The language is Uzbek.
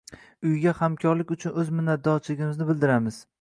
uyiga hamkorlik uchun o‘z minnatdorchiligimizni bildiramiz.